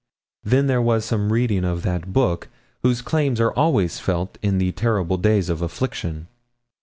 Then there was some reading of that book whose claims are always felt in the terrible days of affliction.